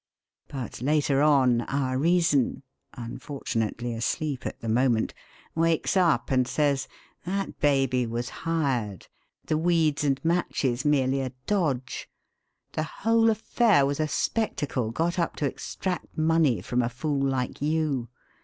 But later on our reason (unfortunately asleep at the moment) wakes up and says: 'That baby was hired; the weeds and matches merely a dodge. The whole affair was a spectacle got up to extract money from a fool like you.